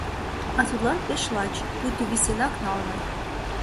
А тудлан пеш лач, пуйто висенак налме.